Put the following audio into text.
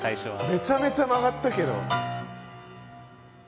めちゃめちゃ曲がったけど。